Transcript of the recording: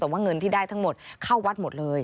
แต่ว่าเงินที่ได้ทั้งหมดเข้าวัดหมดเลย